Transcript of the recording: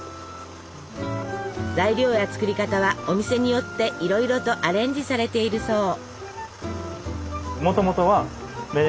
材料や作り方はお店によっていろいろとアレンジされているそう。